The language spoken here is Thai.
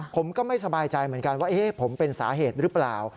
ผมก็ไม่สบายใจเหมือนกันว่าผมเป็นสาเหตุหรือเปล่า